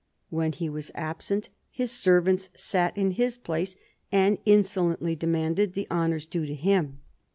When he was absent, his servants sat in his place and insolently demanded the honours due to hjm.